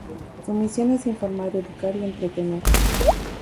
Su misión es informar, educar y entretener.